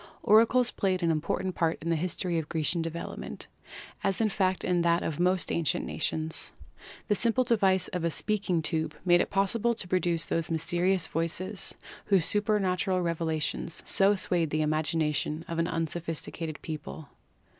Oracles played an important part in the history of Gre cian development, as in fact in that of most ancient nations. The simple device of a speaking tube made it possible to produce those mysterious voices whose super n8 PHYSICS natural revelations so swayed the imagination of an un sophisticated people.